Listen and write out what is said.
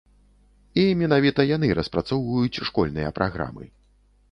І менавіта яны распрацоўваюць школьныя праграмы.